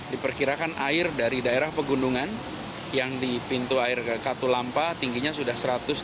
diperkirakan air dari daerah pegunungan yang di pintu air katulampa tingginya sudah satu ratus tiga puluh